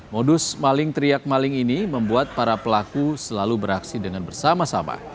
modus maling teriak maling ini membuat para pelaku selalu beraksi dengan bersama sama